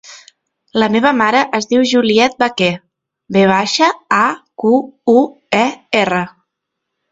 La meva mare es diu Juliette Vaquer: ve baixa, a, cu, u, e, erra.